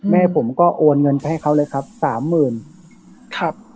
แม่ผมก็โอนเงินไปให้เขาเลยครับสามหมื่นครับ